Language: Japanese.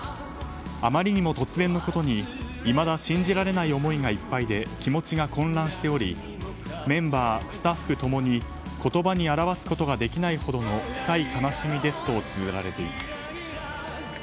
あまりにも突然のことにいまだ信じられない思いがいっぱいで気持ちが混乱しておりメンバー、スタッフ共に言葉に表すことができないほどの深い悲しみですとつづっています。